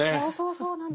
そうそう。